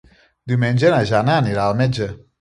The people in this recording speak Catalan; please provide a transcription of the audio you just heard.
Diumenge na Jana anirà al metge.